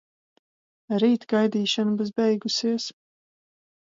Rīt gaidīšana būs beigusies.